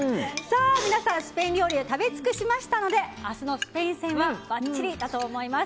スペイン料理を食べ尽くしましたので明日のスペイン戦はばっちりだと思います。